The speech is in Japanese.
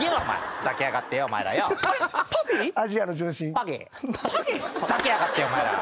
ふざけやがってお前ら。